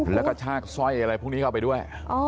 แล้วก็ชากสร้อยอะไรพวกนี้เข้าไปด้วย